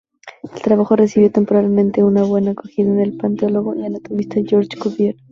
El trabajo recibió tempranamente una buena acogida del paleontólogo y anatomista Georges Cuvier.